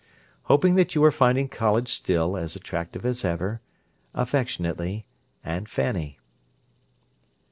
Hoping that you are finding college still as attractive as ever, Affectionately, Aunt Fanny.